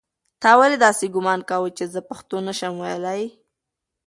تا ولې داسې ګومان کاوه چې زه پښتو نه شم ویلی؟